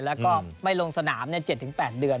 แล้วก็ไม่ลงสนาม๗๘เดือน